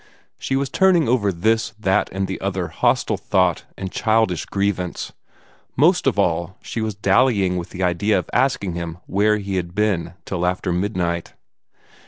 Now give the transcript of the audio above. She was turning over this, that, and the other hostile thought and childish grievance most of all she was dallying with the idea of asking him where he had been till after midnight.